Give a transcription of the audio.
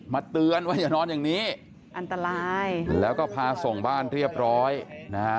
เตือนว่าอย่านอนอย่างนี้อันตรายแล้วก็พาส่งบ้านเรียบร้อยนะฮะ